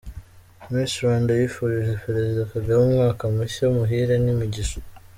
Misi Rwanda yifurije Perezida Kagame umwaka mushya muhire n’imigisha